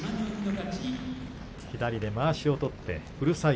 左でまわしを取ってうるさい